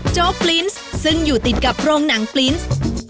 โจ๊กปลิ้นซ์ซึ่งอยู่ติดกับโรงหนังปลินส์